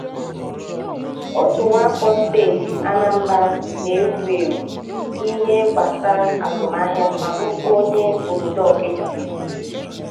Otu nwaafọ steeti Anambra na-ewu èwù n'ihe gbasara azụmahịa ma bụrụkwa onye obodo Ọkịja